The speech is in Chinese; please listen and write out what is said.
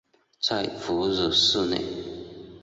在哺乳室内